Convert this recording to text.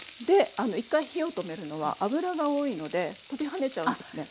一回火を止めるのは脂が多いので跳びはねちゃうんですね。